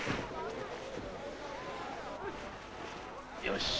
よし。